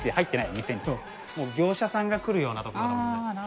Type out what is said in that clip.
業者さんが来るようなところだもんね。